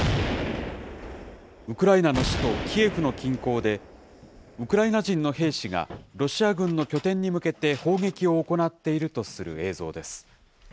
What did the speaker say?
ウクライナの首都キエフの近郊で、ウクライナ人の兵士が、ロシア軍の拠点に向けて砲撃を行っているとする映像です。